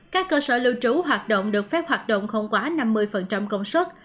các cơ sở lưu trú hoạt động được phép hoạt động không quá năm mươi công suất